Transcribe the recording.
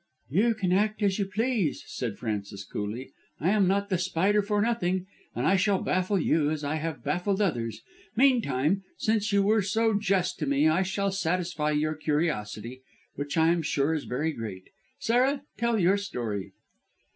"You can act as you please," said Frances coolly. "I am not The Spider for nothing, and I shall baffle you as I have baffled others. Meantime since you were so just to me, I shall satisfy your curiosity, which I am sure is very great. Sarah, tell your story."